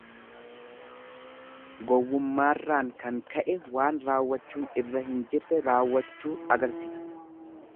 Gowwummaarraan kan ka'e waan raawwachuun irra hin jirre raawwachuu agarsisa.